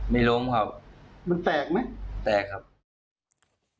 ไม่ล้มครับแยกหรือ